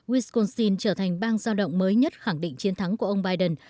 wisconsin trở thành bang giao động mới nhất khẳng định chiến thắng của ông biden